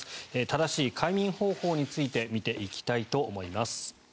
正しい快眠方法について見ていきたいと思います。